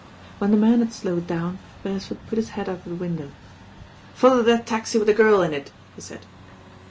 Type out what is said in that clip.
When the man had slowed down, Beresford put his head out of the window. ''Follow that taxi with the girl in it," he said.